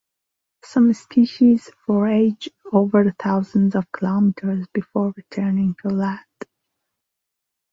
Some species forage over thousands of kilometres before returning to land.